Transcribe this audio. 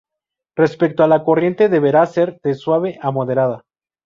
Respecto a la corriente, deberá ser de suave a moderada.